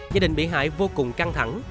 gia đình bị hại vô cùng căng thẳng